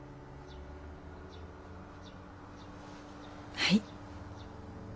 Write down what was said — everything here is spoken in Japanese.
はい。